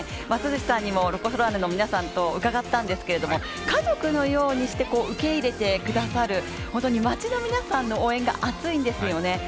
松寿しさんにも、ロコ・ソラーレの皆さんと伺ったんですけれども家族のようにして受け入れてくださる、本当に町の皆さんの応援が熱いんですよね。